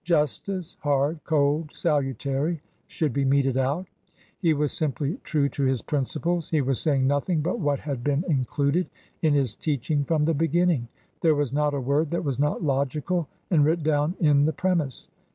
Justice, hard, cold, salutary, should be meted out. He was simply true to 28o TRANSITION, his principles ; he was saying nothing but what had been included in his teaching from the beginning. There was not a word that was not logical and writ down in the premiss.